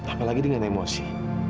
apalagi dengan emosi